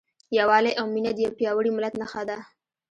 یووالی او مینه د یو پیاوړي ملت نښه ده.